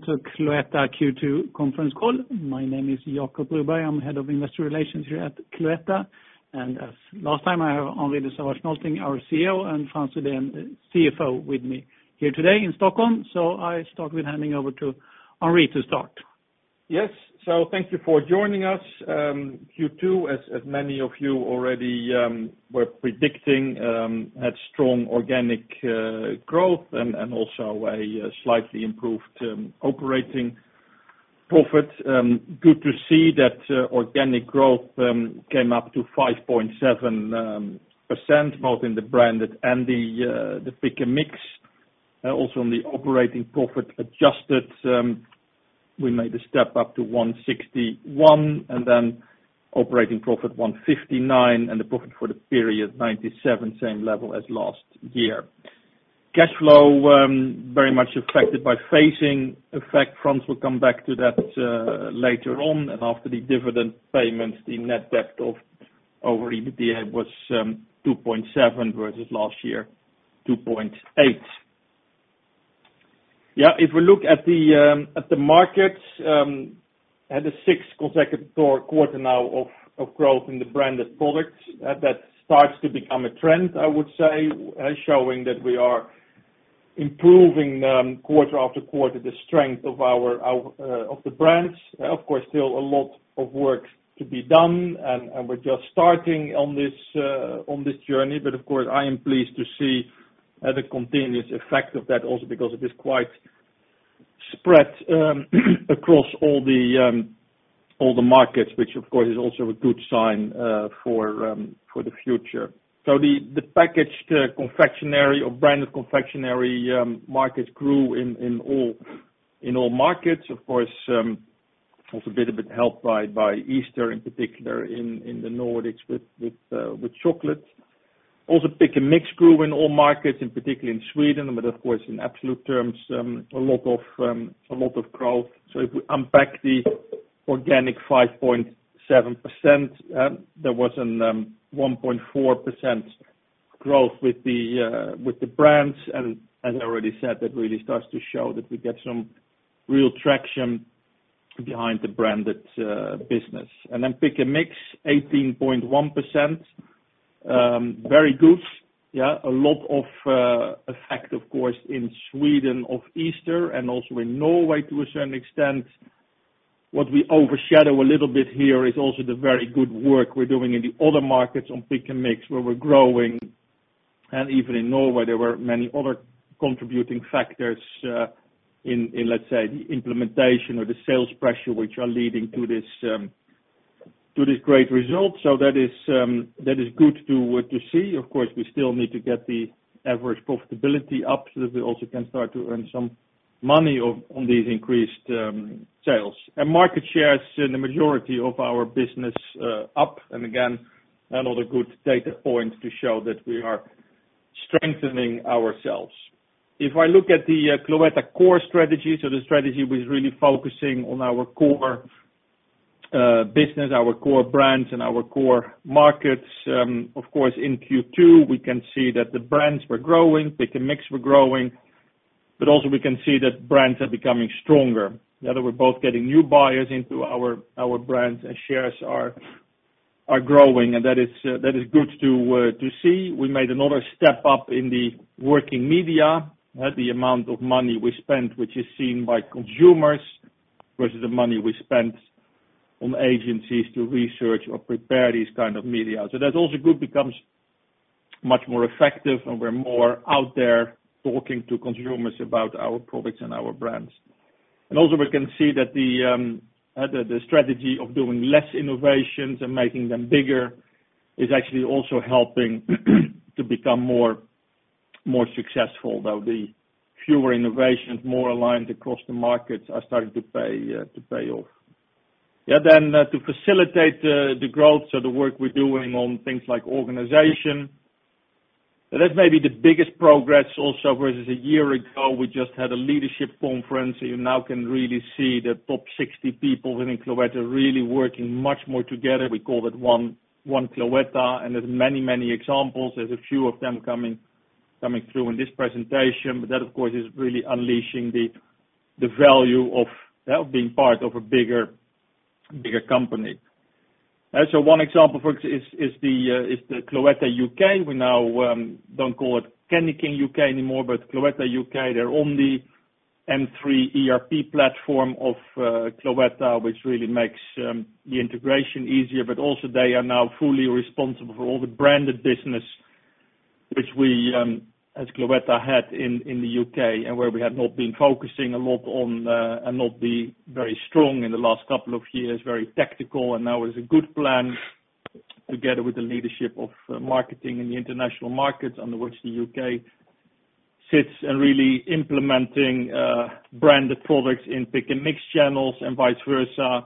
To Cloetta Q2 conference call. My name is Jacob Broberg. I'm head of investor relations here at Cloetta. And as last time, I have Henri de Sauvage Nolting, our CEO, and Frans Rydén, CFO, with me here today in Stockholm. So I start with handing over to Henri to start. Yes. So thank you for joining us. Q2, as many of you already were predicting, had strong organic growth and also a slightly improved operating profit. Good to see that organic growth came up to 5.7%, both in the branded and the Pick & Mix. Also, in the operating profit adjusted, we made a step up to 161, and then operating profit 159, and the profit for the period 97, same level as last year. Cash flow very much affected by phasing effect. Frans will come back to that later on. And after the dividend payments, the net debt over EBITDA was 2.7 versus last year 2.8. Yeah. If we look at the markets, had a sixth consecutive quarter now of growth in the branded products. That starts to become a trend, I would say, showing that we are improving quarter-after-quarer the strength of the brands. Of course, still a lot of work to be done, and we're just starting on this journey. But of course, I am pleased to see the continuous effect of that also because it is quite spread across all the markets, which of course is also a good sign for the future. So the packaged confectionery or branded confectionery markets grew in all markets. Of course, also a bit of it helped by Easter in particular in the Nordics with chocolate. Also, Pick & Mix grew in all markets, in particular in Sweden. But of course, in absolute terms, a lot of growth. So if we unpack the organic 5.7%, there was a 1.4% growth with the brands. And as I already said, that really starts to show that we get some real traction behind the branded business. And then Pick & Mix, 18.1%. Very good. Yeah. A lot of effect, of course, in Sweden of Easter and also in Norway to a certain extent. What we overshadow a little bit here is also the very good work we're doing in the other markets on Pick & Mix where we're growing, and even in Norway, there were many other contributing factors in, let's say, the implementation or the sales pressure, which are leading to this great result. So that is good to see. Of course, we still need to get the average profitability up so that we also can start to earn some money on these increased sales, and market shares in the majority of our business up. And again, another good data point to show that we are strengthening ourselves. If I look at the Cloetta core strategy, so the strategy was really focusing on our core business, our core brands, and our core markets. Of course, in Q2, we can see that the brands were growing, Pick & Mix were growing, but also we can see that brands are becoming stronger. Yeah. We're both getting new buyers into our brands and shares are growing, and that is good to see. We made another step up in the working media. The amount of money we spent, which is seen by consumers, versus the money we spent on agencies to research or prepare these kinds of media, so that's also good. Becomes much more effective, and we're more out there talking to consumers about our products and our brands, and also, we can see that the strategy of doing less innovations and making them bigger is actually also helping to become more successful, though the fewer innovations, more aligned across the markets, are starting to pay off. Yeah. Then to facilitate the growth, so the work we're doing on things like organization. That is maybe the biggest progress also versus a year ago. We just had a leadership conference. You now can really see the top 60 people within Cloetta really working much more together. We call it One Cloetta. And there's many, many examples. There's a few of them coming through in this presentation. But that, of course, is really unleashing the value of being part of a bigger company. So one example, for example, is the Cloetta UK. We now don't call it Candyking UK anymore, but Cloetta UK. They're on the M3 ERP platform of Cloetta, which really makes the integration easier. But also, they are now fully responsible for all the branded business, which we, as Cloetta, had in the UK and where we had not been focusing a lot on and not been very strong in the last couple of years, very tactical. And now it's a good plan together with the leadership of marketing in the international markets under which the UK sits and really implementing branded products in Pick & Mix channels and vice versa,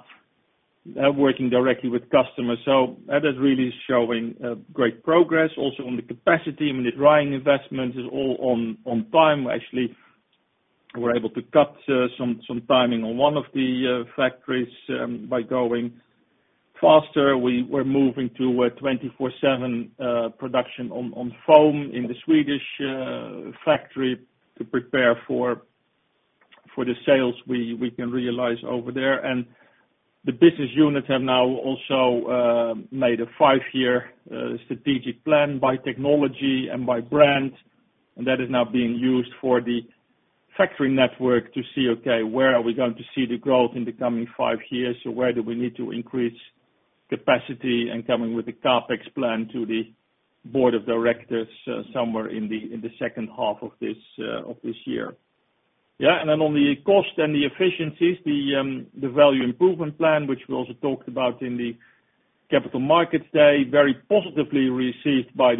working directly with customers. So that is really showing great progress. Also on the capacity, I mean, the drying investment is all on time. Actually, we're able to cut some timing on one of the factories by going faster. We're moving to 24/7 production on foam in the Swedish factory to prepare for the sales we can realize over there. The business units have now also made a five-year strategic plan by technology and by brand. And that is now being used for the factory network to see, okay, where are we going to see the growth in the coming five years? So where do we need to increase capacity? And coming with the CAPEX plan to the board of directors somewhere in the second half of this year. Yeah. And then on the cost and the efficiencies, the Value Improvement Plan, which we also talked about in the Capital Markets Day, very positively received by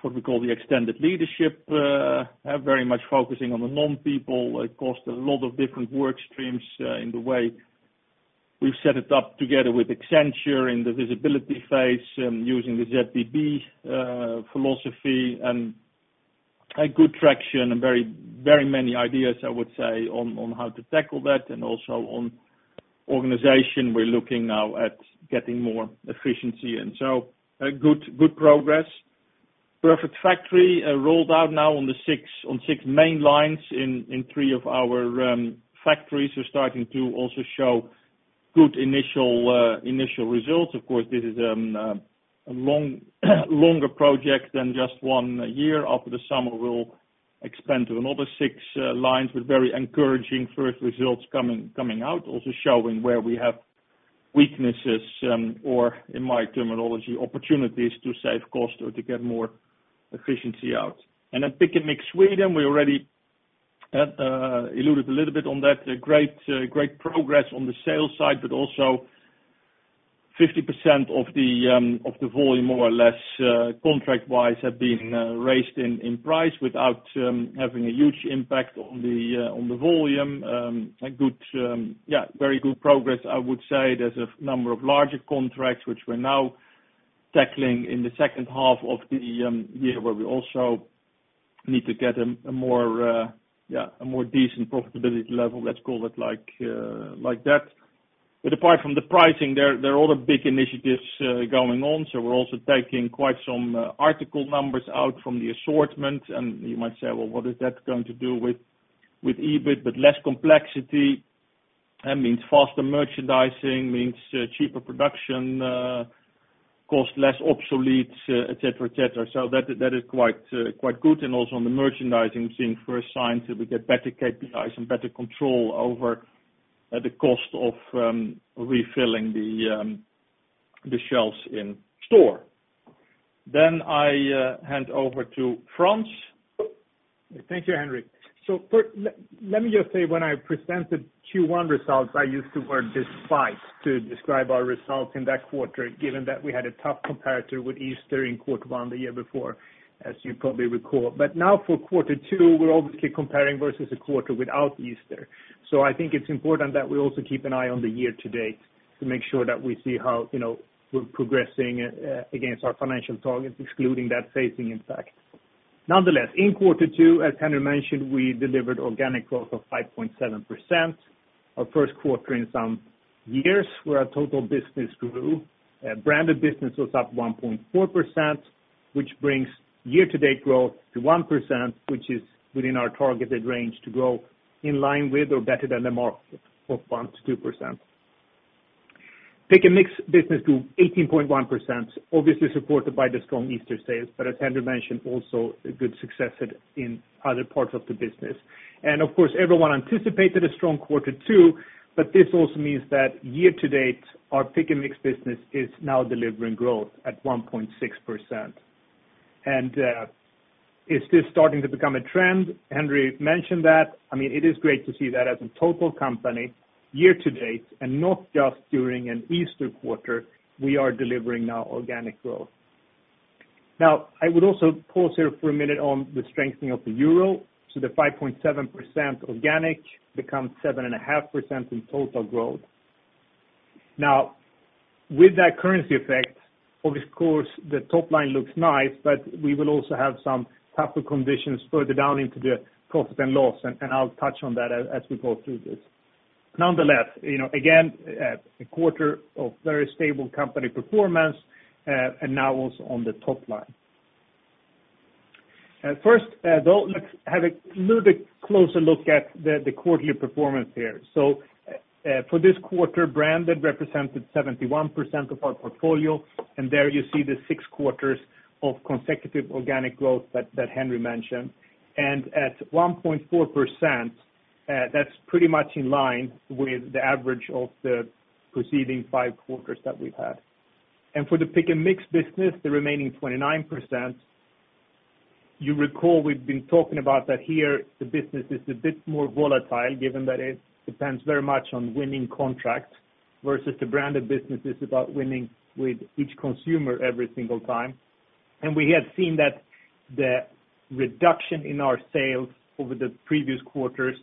what we call the extended leadership, very much focusing on the non-people costs. It consists of a lot of different work streams in the way we've set it up together with Accenture in the visibility phase using the ZBB philosophy. And good traction and very many ideas, I would say, on how to tackle that. Also on organization, we're looking now at getting more efficiency. Good progress. Perfect Factory rolled out now on six main lines in three of our factories. We're starting to also show good initial results. Of course, this is a longer project than just one year. After the summer, we'll expand to another six lines with very encouraging first results coming out, also showing where we have weaknesses or, in my terminology, opportunities to save cost or to get more efficiency out. Then Pick & Mix Sweden, we already alluded a little bit on that. Great progress on the sales side, but also 50% of the volume, more or less, contract-wise have been raised in price without having a huge impact on the volume. Yeah, very good progress, I would say. There’s a number of larger contracts which we’re now tackling in the second half of the year where we also need to get a more decent profitability level. Let’s call it like that. But apart from the pricing, there are other big initiatives going on. So we’re also taking quite some article numbers out from the assortment. And you might say, well, what is that going to do with EBITDA? But less complexity means faster merchandising, means cheaper production, cost less obsolete, etc., etc. So that is quite good. And also on the merchandising, we’ve seen first signs that we get better KPIs and better control over the cost of refilling the shelves in store. Then I hand over to Frans. Thank you, Henri. So let me just say, when I presented Q1 results, I used the word despite to describe our results in that quarter, given that we had a tough comparator with Easter in quarter one the year before, as you probably recall. But now for quarter two, we're obviously comparing versus a quarter without Easter. So I think it's important that we also keep an eye on the year to date to make sure that we see how we're progressing against our financial targets, excluding that phasing impact. Nonetheless, in quarter two, as Henri mentioned, we delivered organic growth of 5.7%. Our Q1 in some years where our total business grew. Branded business was up 1.4%, which brings year-to-date growth to 1%, which is within our targeted range to grow in line with or better than the market of 1%-2%. Pick & Mix business grew 18.1%, obviously supported by the strong Easter sales. But as Henri mentioned, also good success in other parts of the business. And of course, everyone anticipated a strong quarter two, but this also means that year-to-date our Pick & Mix business is now delivering growth at 1.6%. And is this starting to become a trend? Henri mentioned that. I mean, it is great to see that as a total company year-to-date and not just during an Easter quarter, we are delivering now organic growth. Now, I would also pause here for a minute on the strengthening of the euro. So the 5.7% organic becomes 7.5% in total growth. Now, with that currency effect, of course, the top line looks nice, but we will also have some tougher conditions further down into the profit and loss. And I'll touch on that as we go through this. Nonetheless, again, a quarter of very stable company performance and now also on the top line. First, though, let's have a little bit closer look at the quarterly performance here. So for this quarter, branded represented 71% of our portfolio. And there you see the six quarters of consecutive organic growth that Henri mentioned. And at 1.4%, that's pretty much in line with the average of the preceding five quarters that we've had. And for the Pick & Mix business, the remaining 29%, you recall we've been talking about that here; the business is a bit more volatile given that it depends very much on winning contracts versus the branded business is about winning with each consumer every single time. And we had seen that the reduction in our sales over the previous quarters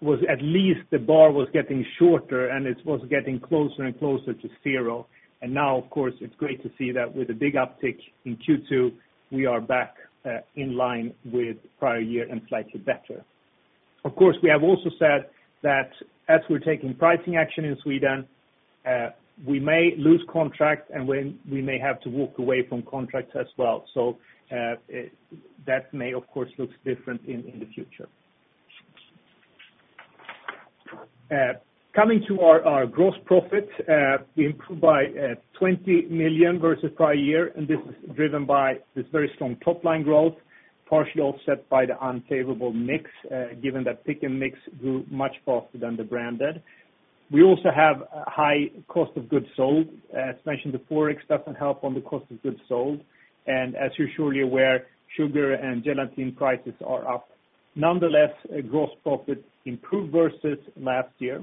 was at least the bar was getting shorter, and it was getting closer and closer to zero. Now, of course, it's great to see that with a big uptick in Q2, we are back in line with prior year and slightly better. Of course, we have also said that as we're taking pricing action in Sweden, we may lose contracts, and we may have to walk away from contracts as well. That may, of course, look different in the future. Coming to our gross profit, we improved by 20 million versus prior year. This is driven by this very strong top line growth, partially offset by the unfavorable mix, given that Pick & Mix grew much faster than the branded. We also have high cost of goods sold. As mentioned, the forex doesn't help on the cost of goods sold. As you're surely aware, sugar and gelatin prices are up. Nonetheless, gross profit improved versus last year.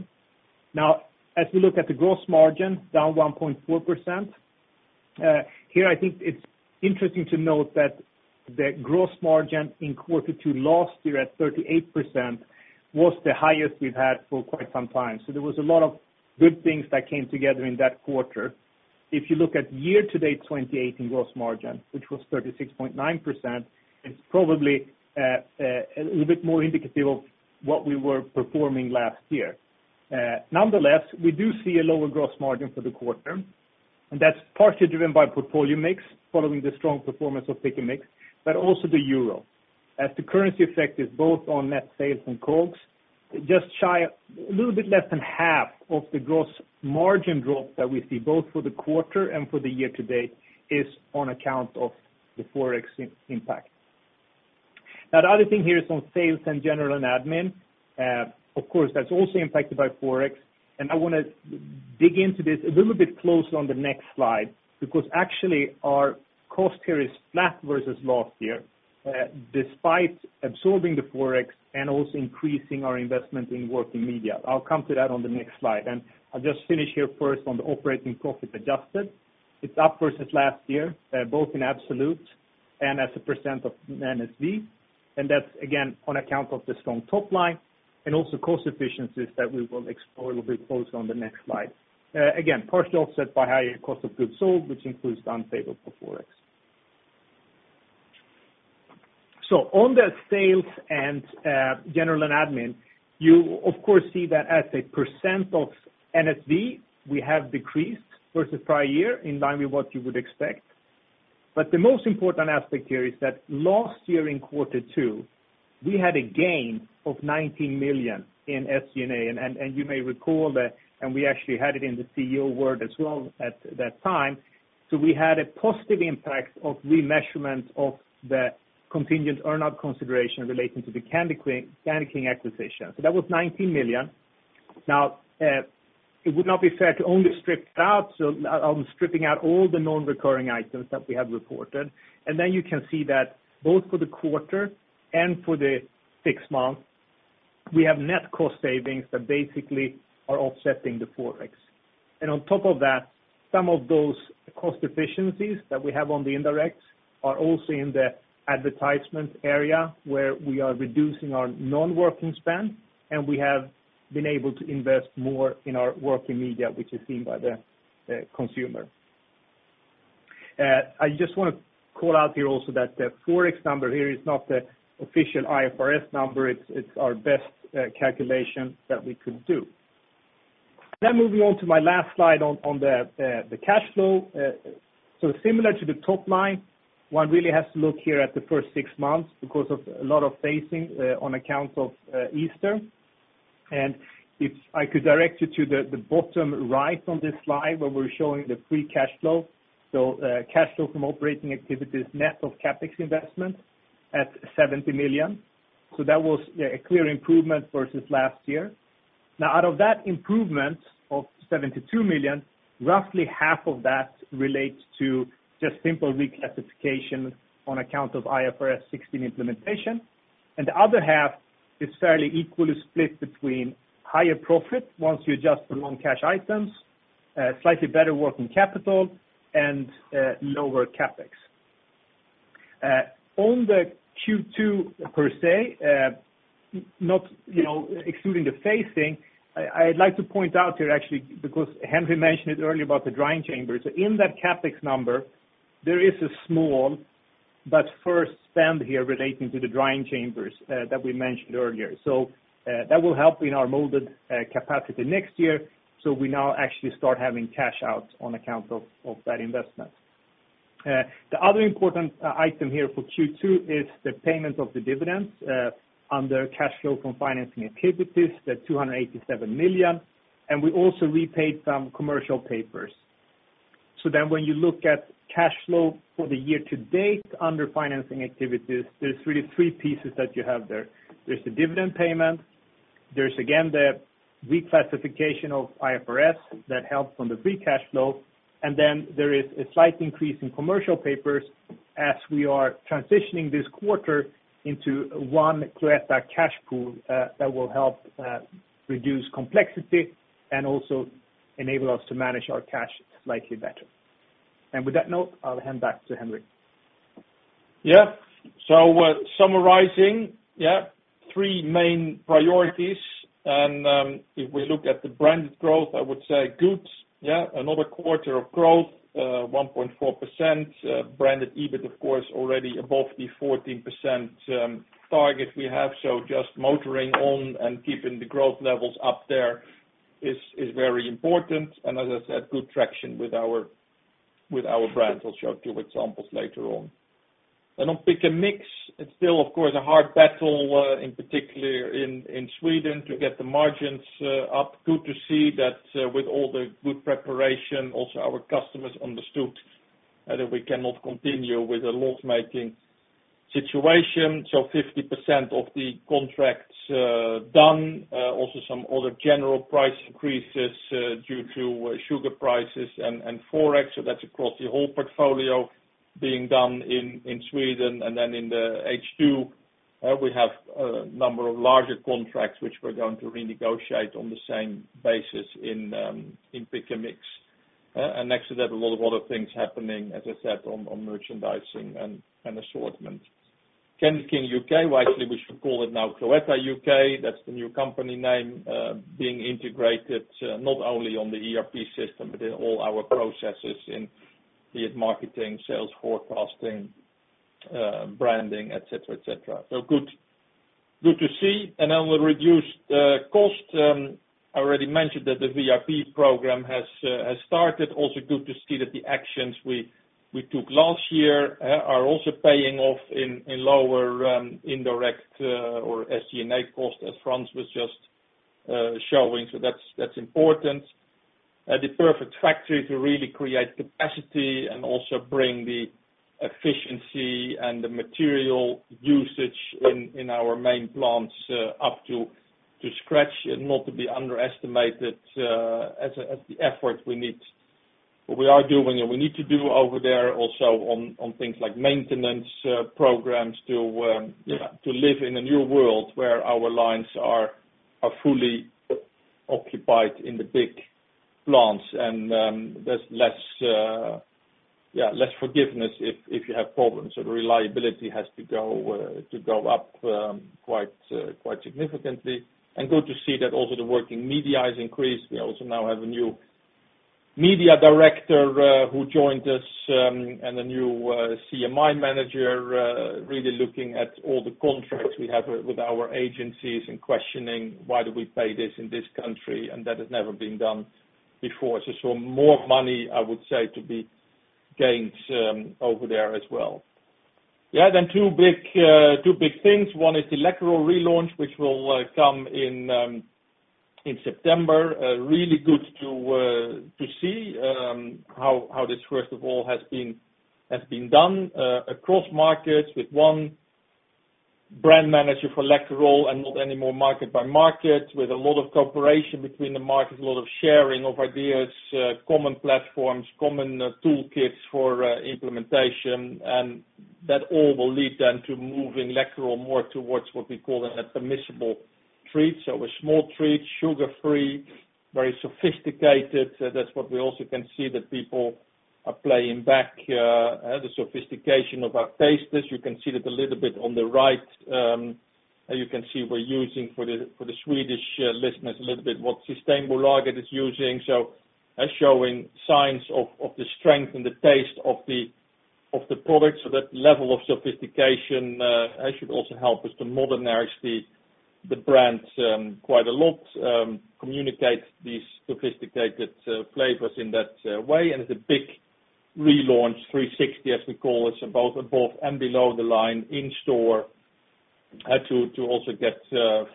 Now, as we look at the gross margin, down 1.4%. Here, I think it's interesting to note that the gross margin in quarter two last year at 38% was the highest we've had for quite some time. So there was a lot of good things that came together in that quarter. If you look at year-to-date 2018 gross margin, which was 36.9%, it's probably a little bit more indicative of what we were performing last year. Nonetheless, we do see a lower gross margin for the quarter. And that's partially driven by portfolio mix following the strong performance of Pick & Mix, but also the euro. As the currency effect is both on net sales and COGS, just shy a little bit less than half of the gross margin drop that we see both for the quarter and for the year-to-date is on account of the forex impact. Now, the other thing here is on sales and general and admin. Of course, that's also impacted by forex. And I want to dig into this a little bit closer on the next slide because actually our cost here is flat versus last year despite absorbing the forex and also increasing our investment in working media. I'll come to that on the next slide. And I'll just finish here first on the operating profit adjusted. It's up versus last year, both in absolute and as a percent of NSV. And that's, again, on account of the strong top line and also cost efficiencies that we will explore a little bit closer on the next slide. Again, partially offset by higher cost of goods sold, which includes unfavorable forex. On the sales and general and admin, you, of course, see that as a % of NSV we have decreased versus prior year in line with what you would expect. The most important aspect here is that last year in quarter two, we had a gain of 19 million in SG&A. You may recall that, and we actually had it in the CEO's word as well at that time. We had a positive impact of remeasurement of the contingent earn-out consideration relating to the Candyking acquisition. That was 19 million. It would not be fair to only strip it out. I'm stripping out all the non-recurring items that we have reported. Then you can see that both for the quarter and for the six months, we have net cost savings that basically are offsetting the forex. On top of that, some of those cost efficiencies that we have on the indirect are also in the advertisement area where we are reducing our non-working spend. And we have been able to invest more in our working media, which is seen by the consumer. I just want to call out here also that the forex number here is not the official IFRS number. It's our best calculation that we could do. Then moving on to my last slide on the cash flow. So similar to the top line, one really has to look here at the first six months because of a lot of phasing on account of Easter. And if I could direct you to the bottom right on this slide where we're showing the free cash flow. So cash flow from operating activities net of CAPEX investment at 70 million. So that was a clear improvement versus last year. Now, out of that improvement of 72 million, roughly half of that relates to just simple reclassification on account of IFRS 16 implementation. And the other half is fairly equally split between higher profit once you adjust for non-cash items, slightly better working capital, and lower CAPEX. On the Q2 per se, not excluding the phasing, I'd like to point out here actually because Henri mentioned it earlier about the drying chambers. So in that CAPEX number, there is a small but first spend here relating to the drying chambers that we mentioned earlier. So that will help in our molded capacity next year. So we now actually start having cash out on account of that investment. The other important item here for Q2 is the payment of the dividends under cash flow from financing activities, the 287 million. And we also repaid some commercial papers. So then when you look at cash flow for the year-to-date under financing activities, there's really three pieces that you have there. There's the dividend payment. There's, again, the reclassification of IFRS that helps on the free cash flow. And then there is a slight increase in commercial papers as we are transitioning this quarter into one Cloetta cash pool that will help reduce complexity and also enable us to manage our cash slightly better. And with that note, I'll hand back to Henri. Yeah. So, summarizing, yeah, three main priorities, and if we look at the branded growth, I would say good. Yeah, another quarter of growth, 1.4%. Branded EBIT, of course, already above the 14% target we have, so just motoring on and keeping the growth levels up there is very important. And, as I said, good traction with our brand. I'll show two examples later on, and on Pick & Mix, it's still, of course, a hard battle in particular in Sweden to get the margins up. Good to see that with all the good preparation, also our customers understood that we cannot continue with a loss-making situation, so 50% of the contracts done. Also some other general price increases due to sugar prices and Forex, so that's across the whole portfolio being done in Sweden. And then in the H2, we have a number of larger contracts which we're going to renegotiate on the same basis in Pick & Mix. And next to that, a lot of other things happening, as I said, on merchandising and assortment. Candyking UK, well, actually we should call it now Cloetta UK. That's the new company name being integrated not only on the ERP system, but in all our processes in marketing, sales forecasting, branding, etc., etc. So good to see. And then we'll reduce the cost. I already mentioned that the VIP program has started. Also good to see that the actions we took last year are also paying off in lower indirect or SG&A cost, as Frans was just showing. So that's important. The perfect factory to really create capacity and also bring the efficiency and the material usage in our main plants up to scratch and not to be underestimated as the effort we need. What we are doing and we need to do over there also on things like maintenance programs to live in a new world where our lines are fully occupied in the big plants, and there's less forgiveness if you have problems, so the reliability has to go up quite significantly, and good to see that also the working media has increased. We also now have a new media director who joined us and a new CMI manager really looking at all the contracts we have with our agencies and questioning why do we pay this in this country, and that has never been done before. So more money, I would say, to be gained over there as well. Yeah, then two big things. One is the Läkerol relaunch, which will come in September. Really good to see how this, first of all, has been done across markets with one brand manager for Läkerol and not anymore market by market with a lot of cooperation between the markets, a lot of sharing of ideas, common platforms, common toolkits for implementation. And that all will lead then to moving Läkerol more towards what we call a permissible treat. So a small treat, sugar-free, very sophisticated. That's what we also can see that people are playing back the sophistication of our tastes. You can see that a little bit on the right. You can see we're using for the Swedish listeners a little bit what Systembolaget is using. Showing signs of the strength and the taste of the products. That level of sophistication should also help us to modernize the brand quite a lot, communicate these sophisticated flavors in that way. It's a big relaunch, 360, as we call it, both above and below the line in store to also get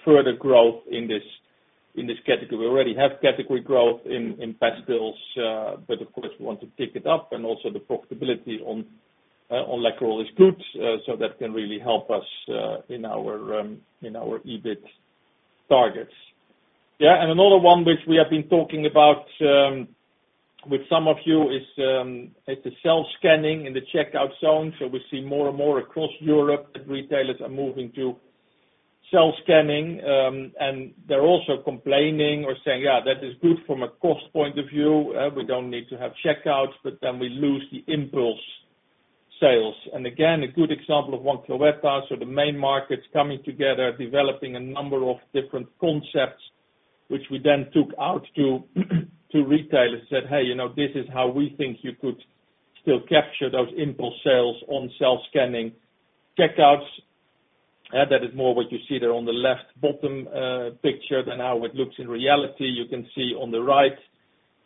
further growth in this category. We already have category growth in pastilles, but of course, we want to pick it up. Also the profitability on Läkerol is good. That can really help us in our EBIT targets. Yeah. Another one which we have been talking about with some of you is the self-scanning in the checkout zone. We see more and more across Europe that retailers are moving to self-scanning. They're also complaining or saying, "Yeah, that is good from a cost point of view. We don't need to have checkouts, but then we lose the impulse sales. And again, a good example of Cloetta. So the main markets coming together, developing a number of different concepts, which we then took out to retailers and said, "Hey, this is how we think you could still capture those impulse sales on self-scanning checkouts." That is more what you see there on the left bottom picture than how it looks in reality. You can see on the right,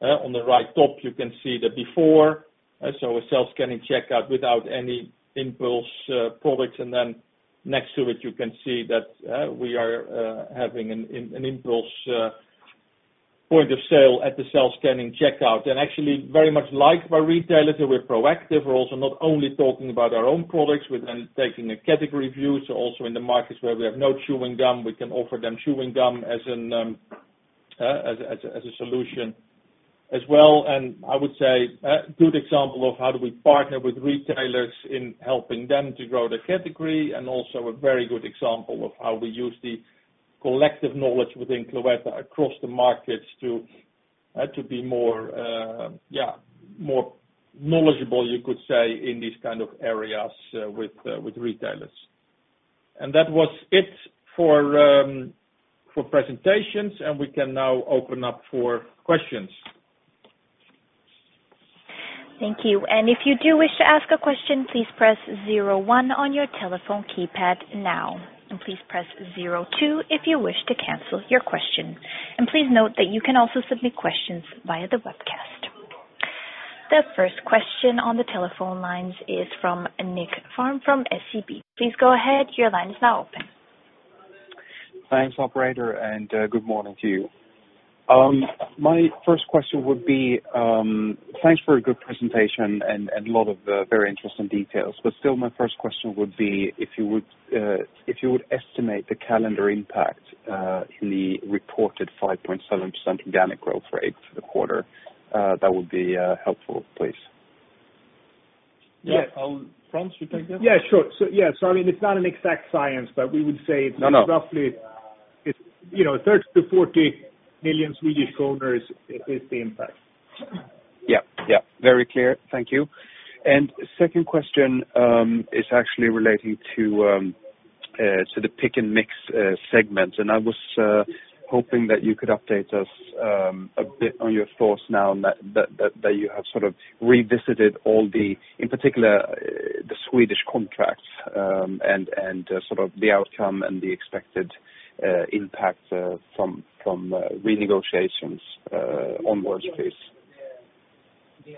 on the right top, you can see the before. So a self-scanning checkout without any impulse products. And then next to it, you can see that we are having an impulse point of sale at the self-scanning checkout. And actually, very much liked by retailers, we're proactive. We're also not only talking about our own products. We're then taking a category view. So also in the markets where we have no chewing gum, we can offer them chewing gum as a solution as well. And I would say a good example of how do we partner with retailers in helping them to grow the category. And also a very good example of how we use the collective knowledge within Cloetta across the markets to be more, yeah, more knowledgeable, you could say, in these kind of areas with retailers. And that was it for presentations. And we can now open up for questions. Thank you. And if you do wish to ask a question, please press 01 on your telephone keypad now. And please press 02 if you wish to cancel your question. And please note that you can also submit questions via the webcast. The first question on the telephone lines is from Nicklas Fhärm from SEB. Please go ahead. Your line is now open. Thanks, operator. And good morning to you. My first question would be thanks for a good presentation and a lot of very interesting details. But still, my first question would be if you would estimate the calendar impact in the reported 5.7% organic growth rate for the quarter, that would be helpful, please? Yeah. Frans, you take that. Yeah, sure. So, I mean, it's not an exact science, but we would say it's roughly 30 million-40 million Swedish kronor is the impact. Yeah. Yeah. Very clear. Thank you. And second question is actually relating to the pick and mix segment. And I was hoping that you could update us a bit on your thoughts now that you have sort of revisited all the, in particular, the Swedish contracts and sort of the outcome and the expected impact from renegotiations onwards, please.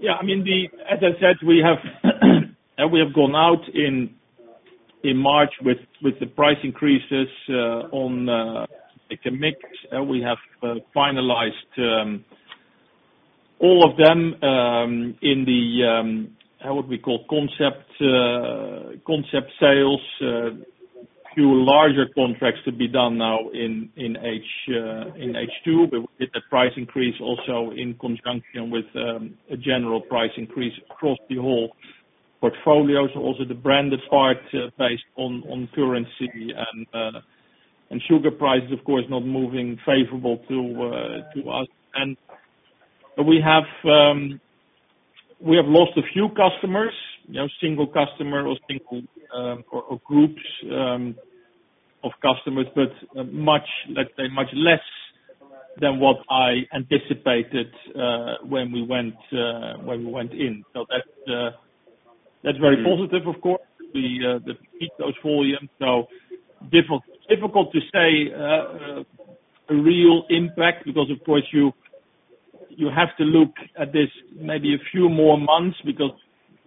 Yeah. I mean, as I said, we have gone out in March with the price increases on pick and mix. We have finalized all of them in the, how would we call, concept sales. Few larger contracts to be done now in H2. But we did the price increase also in conjunction with a general price increase across the whole portfolio. So also the branded part based on currency and sugar prices, of course, not moving favorable to us. And we have lost a few customers, single customer or groups of customers, but let's say much less than what I anticipated when we went in. So that's very positive, of course, to beat those volumes. so difficult to say a real impact because, of course, you have to look at this maybe a few more months because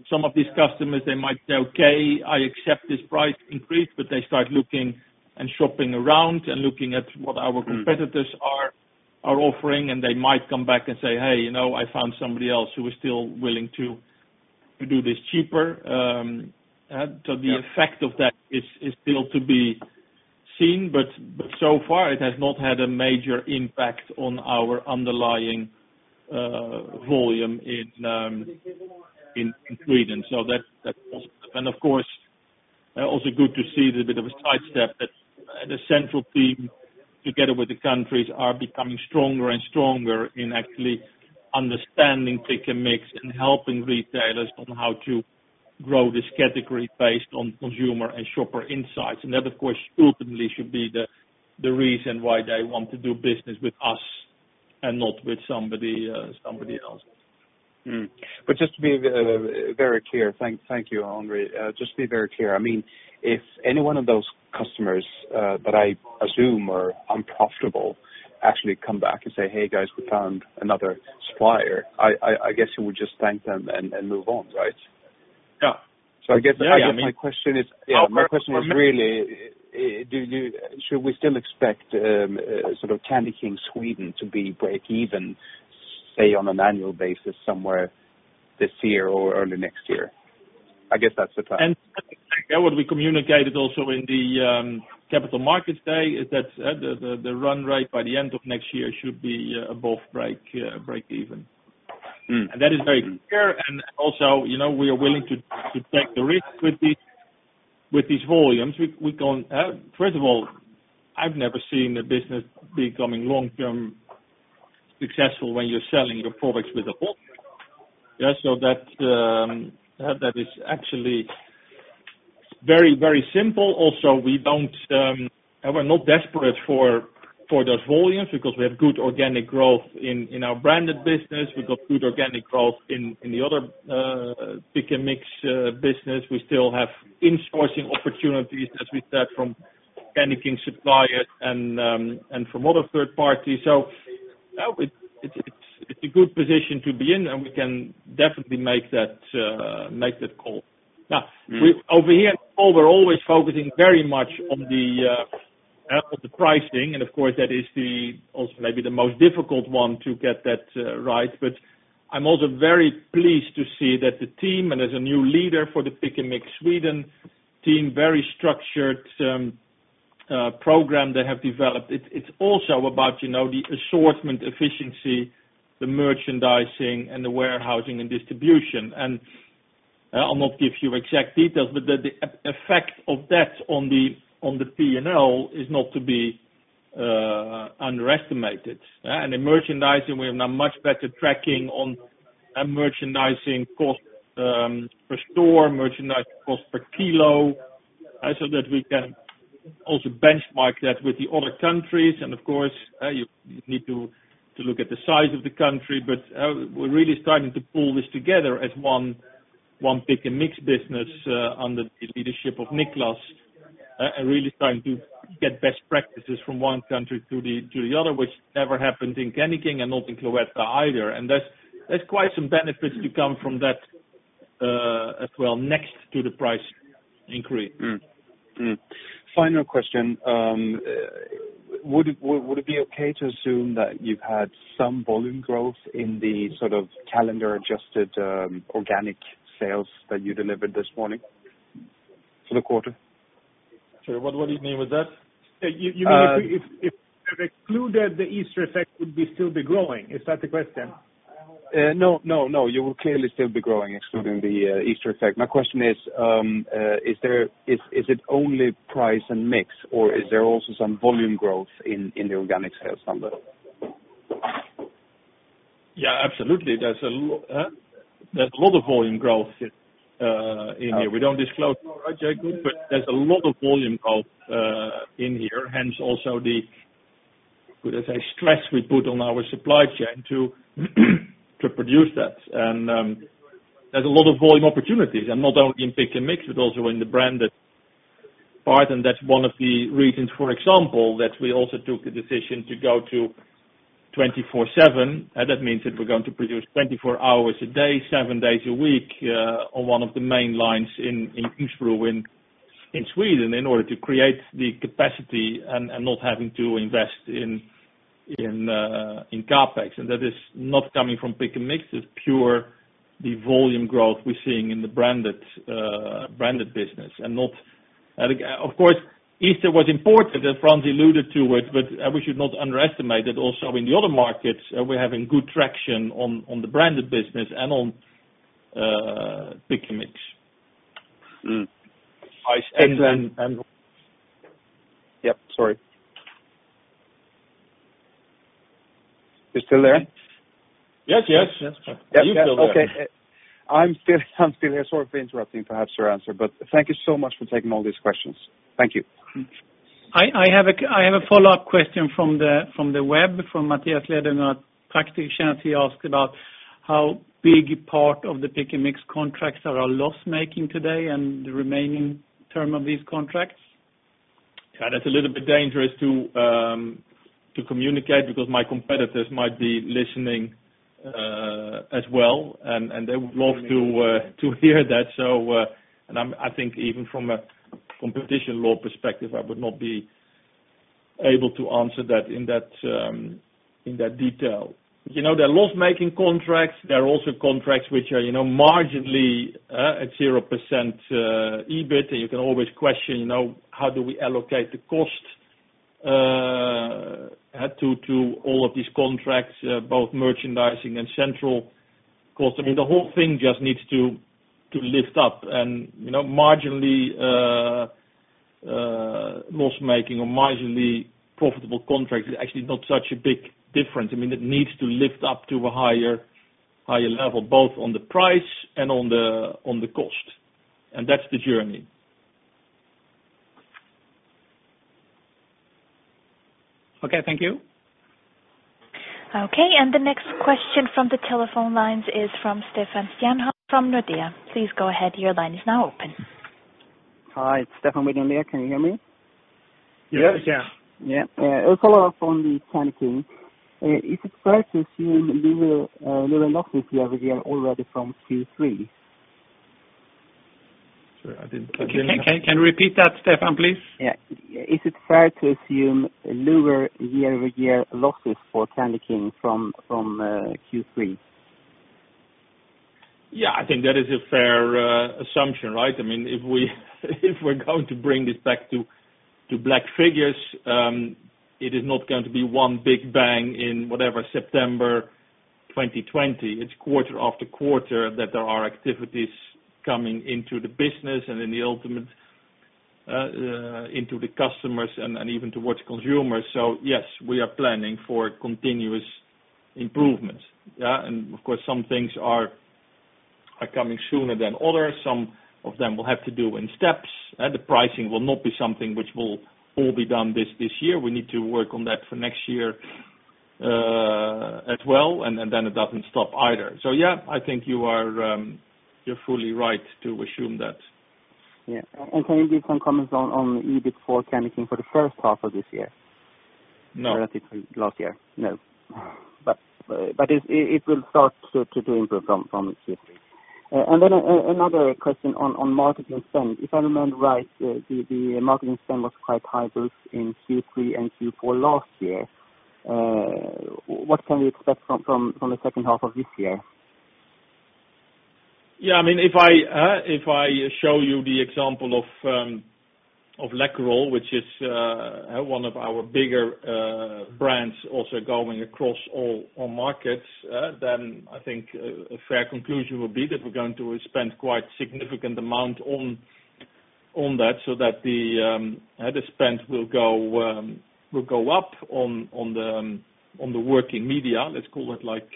some of these customers, they might say, "Okay, I accept this price increase," but they start looking and shopping around and looking at what our competitors are offering. And they might come back and say, "Hey, I found somebody else who is still willing to do this cheaper." So the effect of that is still to be seen. But so far, it has not had a major impact on our underlying volume in Sweden. So that's positive. And of course, also good to see a bit of a sidestep that the central team, together with the countries, are becoming stronger and stronger in actually understanding pick and mix and helping retailers on how to grow this category based on consumer and shopper insights. And that, of course, ultimately should be the reason why they want to do business with us and not with somebody else. But just to be very clear, thank you, Henri. Just to be very clear, I mean, if any one of those customers that I assume are unprofitable actually come back and say, "Hey guys, we found another supplier," I guess you would just thank them and move on, right? Yeah. So I guess my question is, yeah, my question is really, should we still expect sort of Candyking Sweden to be break-even, say, on an annual basis somewhere this year or early next year? I guess that's the question. That would be communicated also in the capital markets day: that the run rate by the end of next year should be above break-even. That is very clear. Also, we are willing to take the risk with these volumes. First of all, I've never seen a business becoming long-term successful when you're selling your products with a volume. That is actually very, very simple. Also, we're not desperate for those volumes because we have good organic growth in our branded business. We've got good organic growth in the other pick and mix business. We still have insourcing opportunities, as we said, from Candyking suppliers and from other third parties. It's a good position to be in, and we can definitely make that call. Now, over here, we're always focusing very much on the pricing. Of course, that is also maybe the most difficult one to get that right. But I'm also very pleased to see that the team and as a new leader for the Pick & Mix Sweden team, very structured program they have developed. It's also about the assortment efficiency, the merchandising, and the warehousing and distribution. I'll not give you exact details, but the effect of that on the P&L is not to be underestimated. In merchandising, we have now much better tracking on merchandising cost per store, merchandising cost per kilo, so that we can also benchmark that with the other countries. Of course, you need to look at the size of the country. But we're really starting to pull this together as one Pick & Mix business under the leadership of Nicklas and really trying to get best practices from one country to the other, which never happened in Candyking and not in Cloetta either. And there's quite some benefits to come from that as well next to the price increase. Final question. Would it be okay to assume that you've had some volume growth in the sort of calendar-adjusted organic sales that you delivered this morning for the quarter? Sorry, what do you mean with that? You mean if we excluded the Easter effect, would we still be growing? Is that the question? No, no, no. You will clearly still be growing, excluding the Easter effect. My question is, is it only price and mix, or is there also some volume growth in the organic sales number? Yeah, absolutely. There's a lot of volume growth in here. We don't disclose it, but there's a lot of volume growth in here. Hence also the, I would say, stress we put on our supply chain to produce that. And there's a lot of volume opportunities, and not only in Pick & Mix, but also in the branded part. And that's one of the reasons, for example, that we also took the decision to go to 24/7. That means that we're going to produce 24 hours a day, seven days a week on one of the main lines in Ljungsbro in Sweden in order to create the capacity and not having to invest in CAPEX. And that is not coming from Pick & Mix. It's pure the volume growth we're seeing in the branded business. And of course, Easter was important, as Frans alluded to it, but we should not underestimate that also in the other markets, we're having good traction on the branded business and on Pick & Mix. Yep, sorry. You still there? Yes, yes. Yeah, you're still there. Okay. I'm still here sort of interrupting perhaps your answer, but thank you so much for taking all these questions. Thank you. I have a follow-up question from the web from Matthias Ledemann. Praktischenerzie asked about how big part of the Pick & Mix contracts are our loss-making today and the remaining term of these contracts. Yeah, that's a little bit dangerous to communicate because my competitors might be listening as well, and they would love to hear that. And I think even from a competition law perspective, I would not be able to answer that in that detail. The loss-making contracts, there are also contracts which are marginally at 0% EBIT, and you can always question, how do we allocate the cost to all of these contracts, both merchandising and central cost? I mean, the whole thing just needs to lift up. And marginally loss-making or marginally profitable contracts is actually not such a big difference. I mean, it needs to lift up to a higher level, both on the price and on the cost. And that's the journey. Okay, thank you. Okay. And the next question from the telephone lines is from Stefan Stjernholm from Nordea. Please go ahead. Your line is now open. Hi, Stefan with Nordea. Can you hear me? Yes. Yeah. Yeah. A follow-up on the Candyking. Is it fair to assume lower losses year-over-year already from Q3? Sorry, I didn't catch you. Can you repeat that, Stefan, please? Yeah. Is it fair to assume lower year-over-year losses for Candyking from Q3? Yeah, I think that is a fair assumption, right? I mean, if we're going to bring this back to black figures, it is not going to be one big bang in whatever September 2020. It's quarter-after-quarer that there are activities coming into the business and ultimately into the customers and even towards consumers. So yes, we are planning for continuous improvements. And of course, some things are coming sooner than others. Some of them will have to do in steps. The pricing will not be something which will all be done this year. We need to work on that for next year as well. And then it doesn't stop either. So yeah, I think you're fully right to assume that. Yeah, and can you give some comments on EBIT for Candyking for the first half of this year? No. to last year. No. But it will start to improve from Q3. And then another question on marketing spend. If I remember right, the marketing spend was quite high both in Q3 and Q4 last year. What can we expect from the second half of this year? Yeah. I mean, if I show you the example of Läkerol, which is one of our bigger brands also going across all markets, then I think a fair conclusion would be that we're going to spend quite a significant amount on that so that the spend will go up on the working media, let's call it like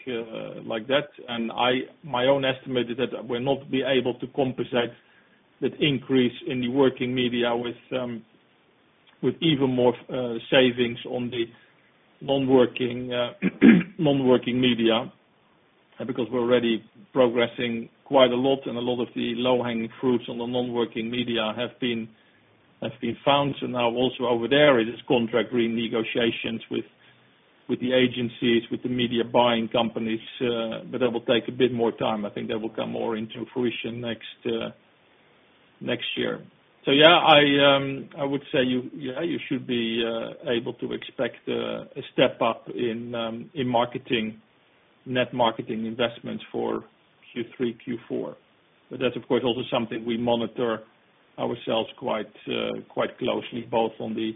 that. And my own estimate is that we'll not be able to compensate that increase in the working media with even more savings on the non-working media. Because we're already progressing quite a lot and a lot of the low-hanging fruits on the non-working media have been found. So now also over there is contract renegotiations with the agencies, with the media buying companies. But that will take a bit more time. I think that will come more into fruition next year. So yeah, I would say you should be able to expect a step up in marketing, net marketing investments for Q3, Q4. But that's, of course, also something we monitor ourselves quite closely, both on the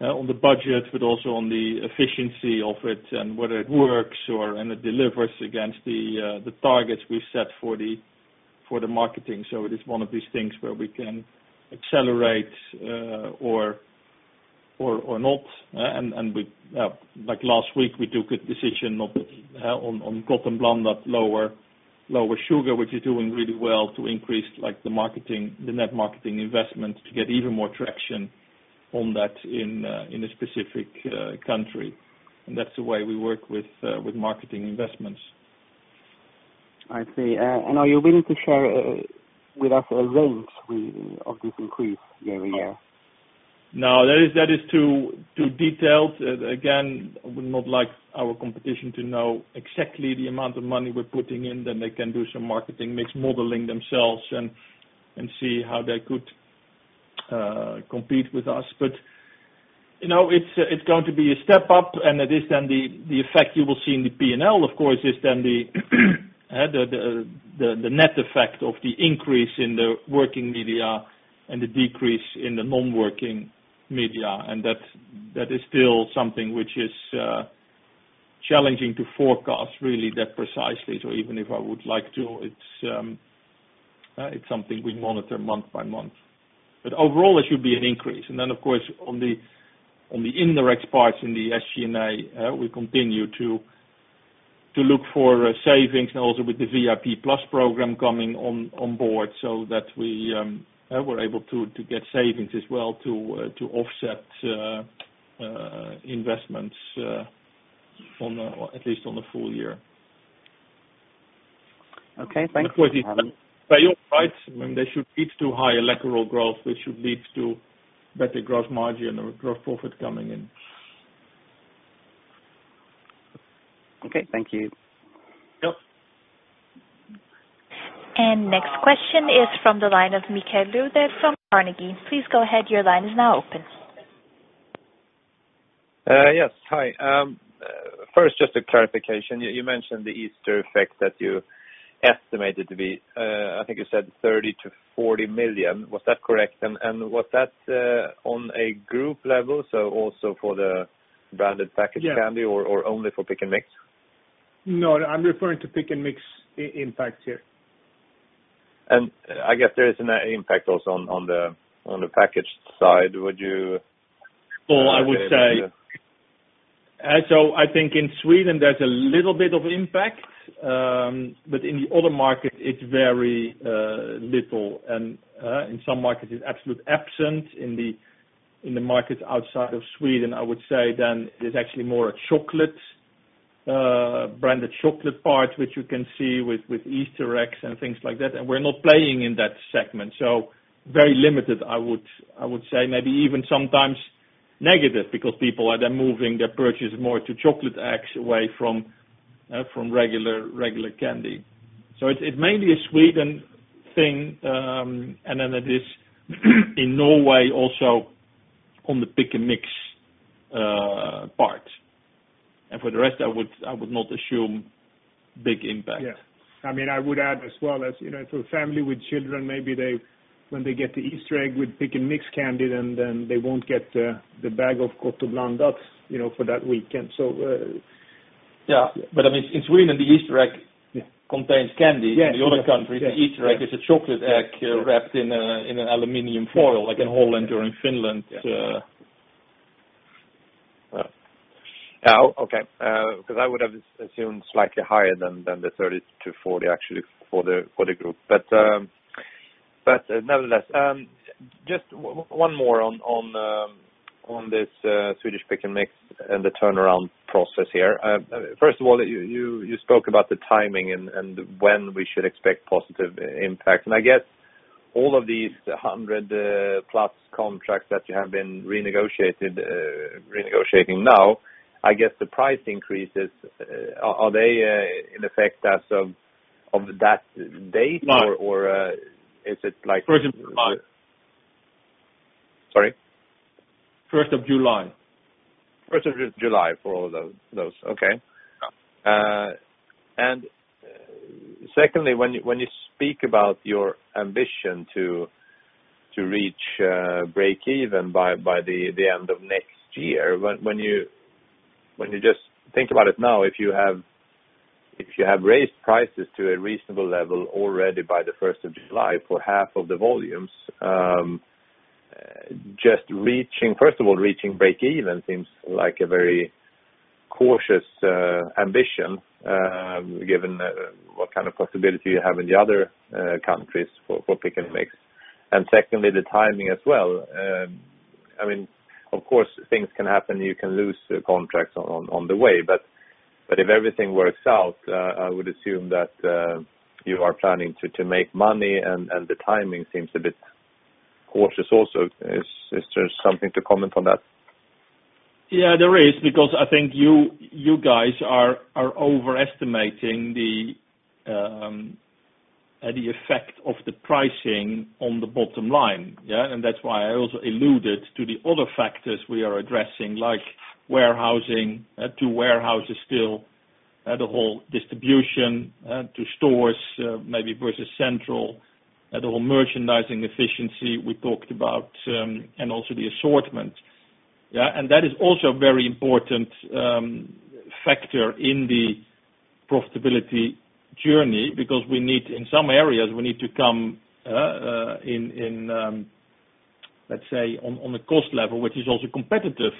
budget, but also on the efficiency of it and whether it works and it delivers against the targets we've set for the marketing. So it is one of these things where we can accelerate or not. And like last week, we took a decision on Gott & Blandat lower sugar, which is doing really well to increase the net marketing investments to get even more traction on that in a specific country. And that's the way we work with marketing investments. I see. And are you willing to share with us a range of this increase year-over-year? No, that is too detailed. Again, we'd not like our competition to know exactly the amount of money we're putting in. Then they can do some marketing mix modeling themselves and see how they could compete with us. But it's going to be a step up, and that is then the effect you will see in the P&L. Of course, it's then the net effect of the increase in the working media and the decrease in the non-working media. And that is still something which is challenging to forecast really that precisely. So even if I would like to, it's something we monitor month by month. But overall, it should be an increase. Then, of course, on the indirect parts in the SG&A, we continue to look for savings and also with the VIP Plus program coming on board so that we're able to get savings as well to offset investments, at least on the full year. Okay. Thank you. Of course, it's failed, right? I mean, it should lead to higher Läkerol growth. It should lead to better gross margin or gross profit coming in. Okay. Thank you. Yep. And next question is from the line of Mikel Lödén from Carnegie. Please go ahead. Your line is now open. Yes. Hi. First, just a clarification. You mentioned the Easter effect that you estimated to be, I think you said, 30-40 million SEK. Was that correct? And was that on a group level, so also for the branded packaged candy or only for pick and mix? No, I'm referring to Pick & Mix impact here. And I guess there is an impact also on the packaged side. Would you? I would say, so I think in Sweden, there's a little bit of impact, but in the other market, it's very little. In some markets, it's absolutely absent. In the markets outside of Sweden, I would say, then there's actually more a chocolate branded chocolate part, which you can see with Easter eggs and things like that. We're not playing in that segment. Very limited, I would say. Maybe even sometimes negative because people are then moving their purchase more to chocolate eggs away from regular candy. It's mainly a Sweden thing. Then it is in Norway also on the pick and mix part. For the rest, I would not assume big impact. Yeah. I mean, I would add as well as for a family with children, maybe when they get the Easter egg with Pick & Mix candy, then they won't get the bag of Gott & Blandat for that weekend. So yeah. But I mean, in Sweden, the Easter egg contains candy. In the other countries, the Easter egg is a chocolate egg wrapped in an aluminum foil, like in Holland or in Finland. Yeah. Okay. Because I would have assumed slightly higher than the 30-40 actually for the group. But nevertheless, just one more on this Swedish pick and mix and the turnaround process here. First of all, you spoke about the timing and when we should expect positive impact. And I guess all of these 100-plus contracts that you have been renegotiating now, I guess the price increases, are they in effect as of that date or is it like? 1st of July. Sorry? 1st of July. 1st of July for all of those. Okay. And secondly, when you speak about your ambition to reach break-even by the end of next year, when you just think about it now, if you have raised prices to a reasonable level already by the 1st of July for half of the volumes, just reaching, first of all, reaching break-even seems like a very cautious ambition given what kind of possibility you have in the other countries for Pick & Mix. And secondly, the timing as well. I mean, of course, things can happen. You can lose contracts on the way. But if everything works out, I would assume that you are planning to make money. And the timing seems a bit cautious also. Is there something to comment on that? Yeah, there is because I think you guys are overestimating the effect of the pricing on the bottom line. And that's why I also alluded to the other factors we are addressing, like warehousing, to warehouses still, the whole distribution to stores maybe versus central, the whole merchandising efficiency we talked about, and also the assortment. That is also a very important factor in the profitability journey because we need, in some areas, we need to come in, let's say, on the cost level, which is also competitive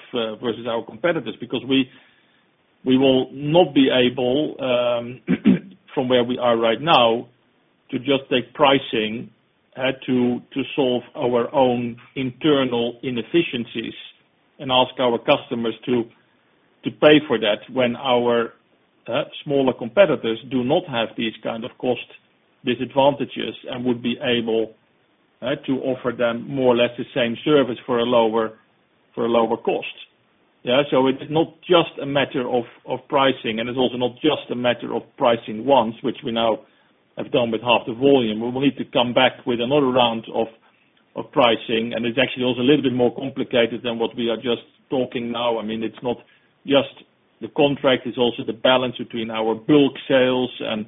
versus our competitors because we will not be able, from where we are right now, to just take pricing to solve our own internal inefficiencies and ask our customers to pay for that when our smaller competitors do not have these kind of cost disadvantages and would be able to offer them more or less the same service for a lower cost. Yeah. It's not just a matter of pricing. It's also not just a matter of pricing once, which we now have done with half the volume. We will need to come back with another round of pricing. It's actually also a little bit more complicated than what we are just talking now. I mean, it's not just the contract, it's also the balance between our bulk sales and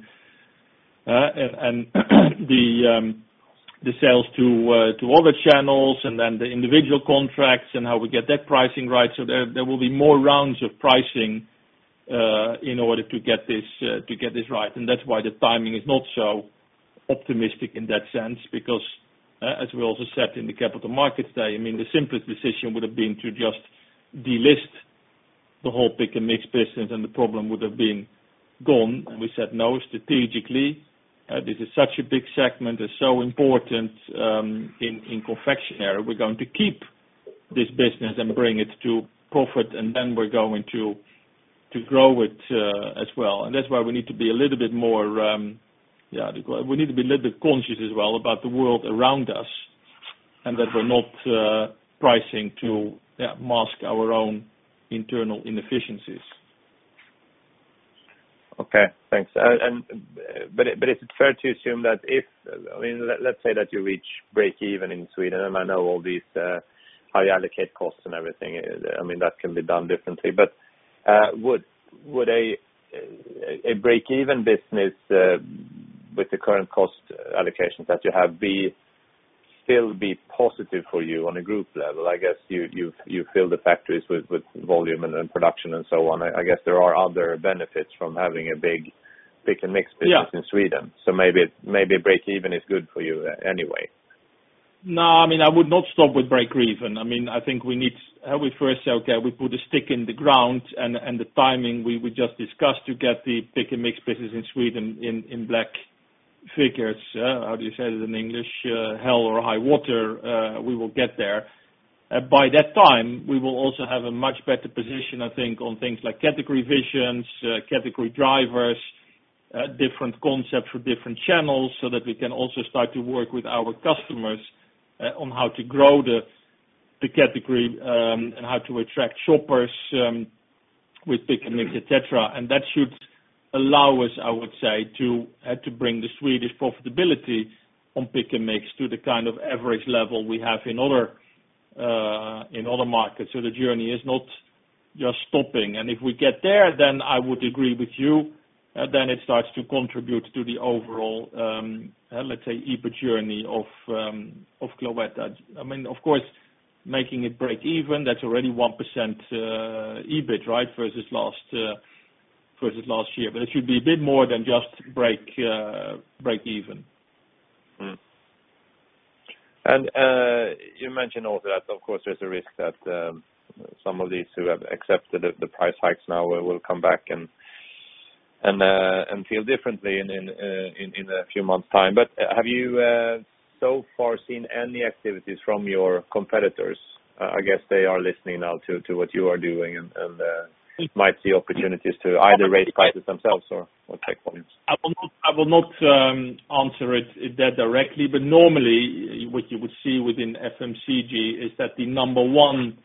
the sales to other channels and then the individual contracts and how we get that pricing right. So there will be more rounds of pricing in order to get this right. And that's why the timing is not so optimistic in that sense because, as we also said in the capital markets day, I mean, the simplest decision would have been to just delist the whole pick and mix business and the problem would have been gone. And we said, "No, strategically, this is such a big segment, it's so important in confectionery. We're going to keep this business and bring it to profit and then we're going to grow it as well, and that's why we need to be a little bit more, yeah, we need to be a little bit conscious as well about the world around us and that we're not pricing to mask our own internal inefficiencies. Okay. Thanks. But is it fair to assume that if, I mean, let's say that you reach break-even in Sweden and I know all these how you allocate costs and everything, I mean, that can be done differently. But would a break-even business with the current cost allocations that you have still be positive for you on a group level? I guess you fill the factories with volume and production and so on. I guess there are other benefits from having a big Pick & Mix business in Sweden. So maybe break-even is good for you anyway. No, I mean, I would not stop with break-even. I mean, I think we need first say, "Okay, we put a stick in the ground." And the timing we just discussed to get the pick and mix business in Sweden in black figures, how do you say it in English, hell or high water, we will get there. By that time, we will also have a much better position, I think, on things like category visions, category drivers, different concepts for different channels so that we can also start to work with our customers on how to grow the category and how to attract shoppers with pick and mix, etc. And that should allow us, I would say, to bring the Swedish profitability on pick and mix to the kind of average level we have in other markets. So the journey is not just stopping. And if we get there, then I would agree with you, then it starts to contribute to the overall, let's say, EBIT journey of Cloetta. I mean, of course, making it break-even, that's already 1% EBIT, right, versus last year. But it should be a bit more than just break-even. And you mentioned also that, of course, there's a risk that some of these who have accepted the price hikes now will come back and feel differently in a few months' time. But have you so far seen any activities from your competitors? I guess they are listening now to what you are doing and might see opportunities to either raise prices themselves or take points. I will not answer it that directly, but normally, what you would see within FMCG is that the number one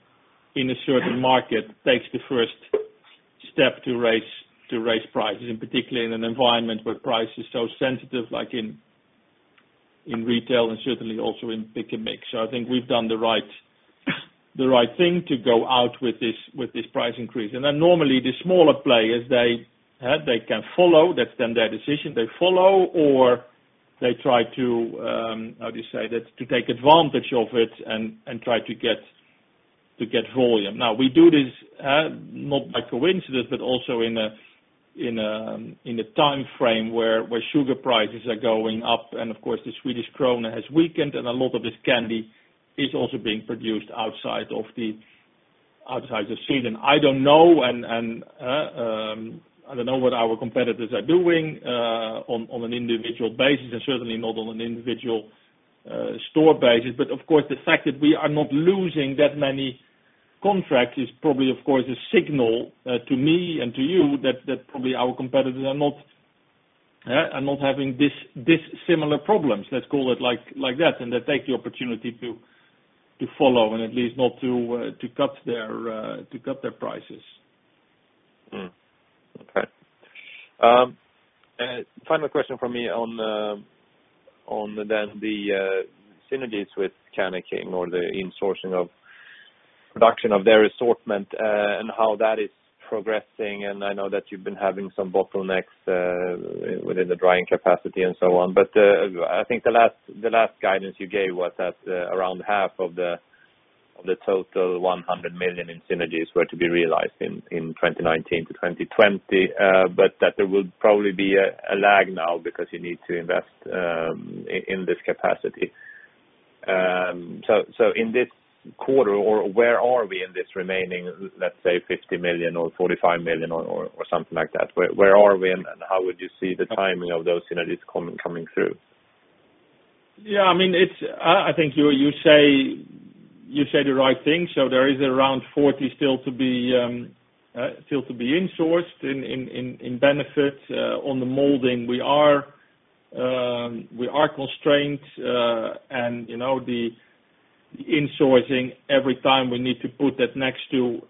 in a certain market takes the first step to raise prices, and particularly in an environment where price is so sensitive, like in retail and certainly also in Pick & Mix. I think we've done the right thing to go out with this price increase, and then normally, the smaller players, they can follow. That's then their decision. They follow or they try to, how do you say that, to take advantage of it and try to get volume. Now, we do this not by coincidence, but also in a timeframe where sugar prices are going up. Of course, the Swedish krona has weakened and a lot of this candy is also being produced outside of Sweden. I don't know what our competitors are doing on an individual basis and certainly not on an individual store basis. But of course, the fact that we are not losing that many contracts is probably, of course, a signal to me and to you that probably our competitors are not having these similar problems, let's call it like that. And they take the opportunity to follow and at least not to cut their prices. Okay. Final question for me on then the synergies with Candyking or the insourcing of production of their assortment and how that is progressing. And I know that you've been having some bottlenecks within the drying capacity and so on. But I think the last guidance you gave was that around half of the total 100 million in synergies were to be realized in 2019 to 2020, but that there will probably be a lag now because you need to invest in this capacity. So in this quarter, where are we in this remaining, let's say, 50 million or 45 million or something like that? Where are we and how would you see the timing of those synergies coming through? Yeah. I mean, I think you say the right thing. So there is around 40 still to be insourced in benefits. On the molding, we are constrained, and the insourcing, every time we need to put that next to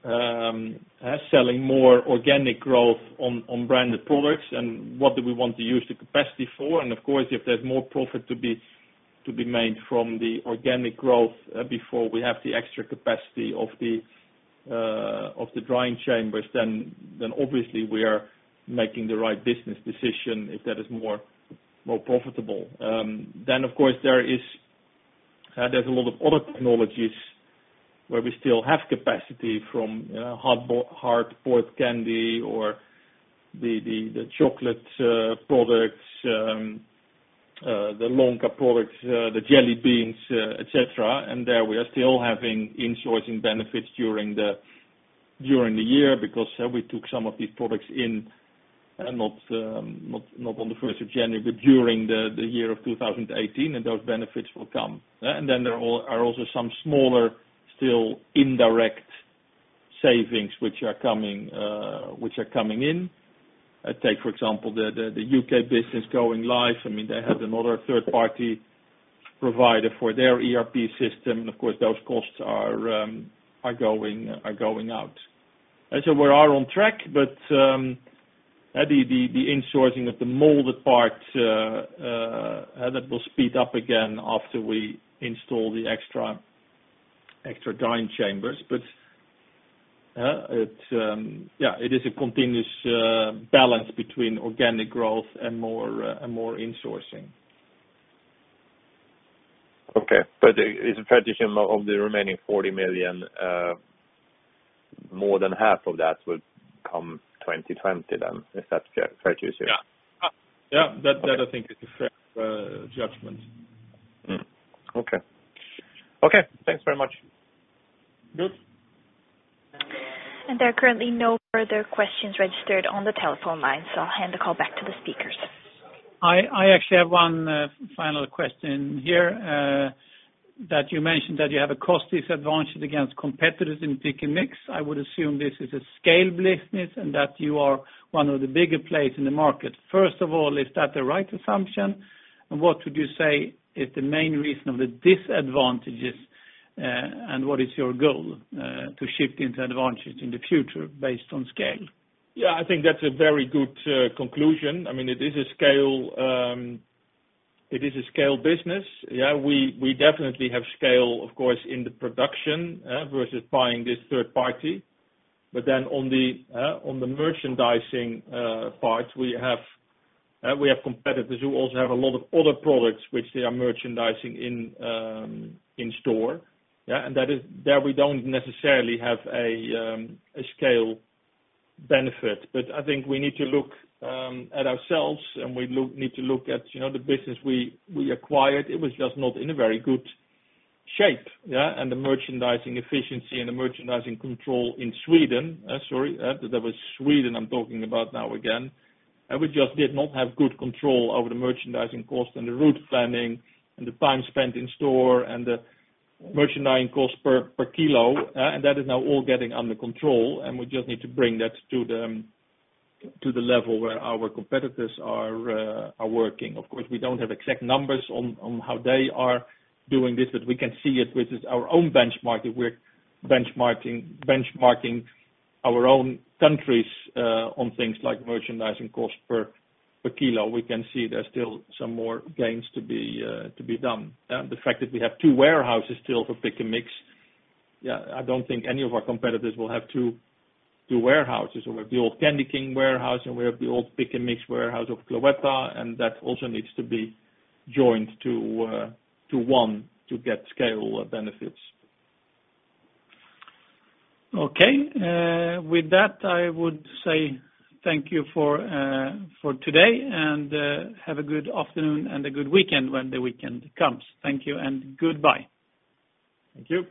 selling more organic growth on branded products and what do we want to use the capacity for, and of course, if there's more profit to be made from the organic growth before we have the extra capacity of the drying chambers, then obviously we are making the right business decision if that is more profitable, then of course, there's a lot of other technologies where we still have capacity from hard boiled candy or the chocolate products, the longer products, the jelly beans, etc. There we are still having insourcing benefits during the year because we took some of these products in, not on the 1st of January, but during the year of 2018, and those benefits will come. Then there are also some smaller still indirect savings which are coming in. Take, for example, the UK business going live. I mean, they have another third-party provider for their ERP system. Of course, those costs are going out. We are on track, but the insourcing of the molded part, that will speed up again after we install the extra drying chambers. Yeah, it is a continuous balance between organic growth and more insourcing. Okay. But is it fair to assume of the remaining 40 million, more than half of that will come 2020 then? Is that fair to assume? Yeah. Yeah. That I think is a fair judgment. Okay. Okay. Thanks very much. Good. There are currently no further questions registered on the telephone line. I'll hand the call back to the speakers. I actually have one final question here that you mentioned that you have a cost disadvantage against competitors in Pick & Mix. I would assume this is a scale business and that you are one of the bigger players in the market. First of all, is that the right assumption? And what would you say is the main reason of the disadvantages and what is your goal to shift into advantage in the future based on scale? Yeah. I think that's a very good conclusion. I mean, it is a scale business. Yeah. We definitely have scale, of course, in the production versus buying this third-party. But then on the merchandising part, we have competitors who also have a lot of other products which they are merchandising in store. And there we don't necessarily have a scale benefit. But I think we need to look at ourselves and we need to look at the business we acquired. It was just not in a very good shape. And the merchandising efficiency and the merchandising control in Sweden, sorry, that was Sweden I'm talking about now again. We just did not have good control over the merchandising cost and the route planning and the time spent in store and the merchandising cost per kilo. And that is now all getting under control. We just need to bring that to the level where our competitors are working. Of course, we don't have exact numbers on how they are doing this, but we can see it with our own benchmarking. We're benchmarking our own countries on things like merchandising cost per kilo. We can see there's still some more gains to be done. The fact that we have two warehouses still for Pick & Mix, yeah, I don't think any of our competitors will have two warehouses. We have the old Candyking warehouse and we have the old Pick & Mix warehouse of Cloetta. That also needs to be joined to one to get scale benefits. Okay. With that, I would say thank you for today and have a good afternoon and a good weekend when the weekend comes. Thank you and goodbye. Thank you.